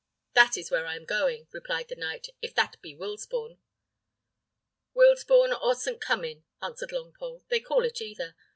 "That is where I am going," replied the knight, "if that be Wilsbourne." "Wilsbourne or St. Cummin," answered Longpole; "they call it either.